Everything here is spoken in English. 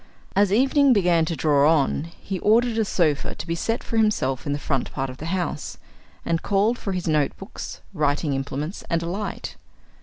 As evening began to draw on, he ordered a sofa to be set for himself in the front part of the house, and called for his notebooks, writing implements, and a light.